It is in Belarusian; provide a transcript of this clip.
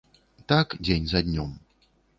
Так дзень за днём.